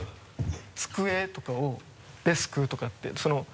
「つくえ」とかを「デスク」とかって。